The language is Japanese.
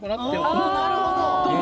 あなるほど。